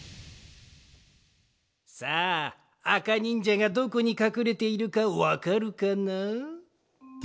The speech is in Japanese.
さああかにんじゃがどこにかくれているかわかるかな？